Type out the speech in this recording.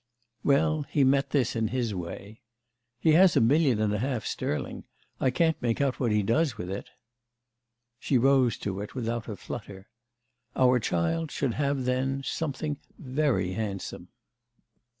Well, he met this in his way. "He has a million and a half sterling. I can't make out what he does with it." She rose to it without a flutter. "Our child should have, then, something very handsome."